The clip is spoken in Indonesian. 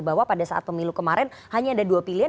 bahwa pada saat pemilu kemarin hanya ada dua pilihan